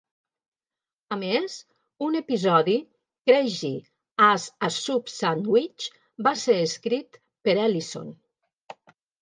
A més, un episodi, "Crazy as a Soup Sandwich", va ser escrit per Ellison.